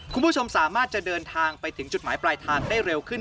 คุณผู้ชมสามารถจะเดินทางไปถึงจุดหมายปลายทางได้เร็วขึ้น